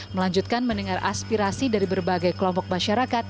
melanjutkan mendengar aspirasi dari berbagai kelompok masyarakat